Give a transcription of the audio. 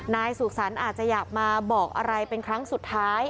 นายสุขสรรค์อาจจะอยากมาบอกอะไรเป็นครั้งสุดท้าย